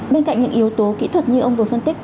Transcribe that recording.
bên cạnh những yếu tố kỹ thuật như ông vừa phân tích